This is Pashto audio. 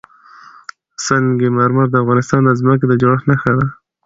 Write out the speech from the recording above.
سنگ مرمر د افغانستان د ځمکې د جوړښت نښه ده.